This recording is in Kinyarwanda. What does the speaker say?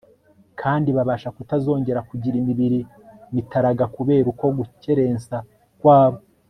kandi babasha kutazongera kugira imibiri mitaraga kubera uko gukerensa kwabo